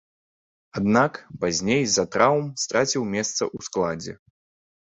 Аднак, пазней з-за траўм страціў месца ў складзе.